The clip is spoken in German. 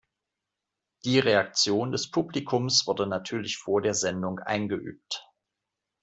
Die Reaktion des Publikums wurde natürlich vor der Sendung eingeübt.